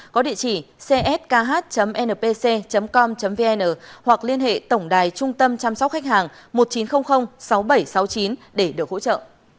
có địa chỉ cskh npc com vn hoặc liên hệ tổng đài trung tâm chăm sóc khách hàng một chín không không sáu bảy sáu chín để được hỗ trợ